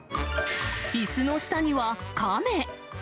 いすの下には亀。